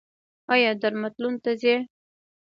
ایا درملتون ته ځئ؟